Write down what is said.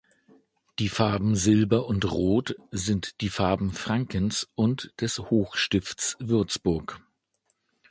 Die Farben Silber und Rot sind die Farben Frankens und des Hochstifts Würzburg.